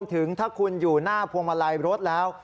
ถึงถ้าคุณอยู่หน้าพวงมาลัยรถแล้ว